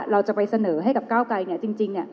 เราจะไปเสนอให้กับเก้าไกร